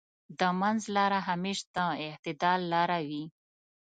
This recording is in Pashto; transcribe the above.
د منځ لاره همېش د اعتدال لاره وي.